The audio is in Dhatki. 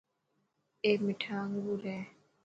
اي مٺا انگور هي.